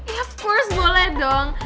ya tentu boleh dong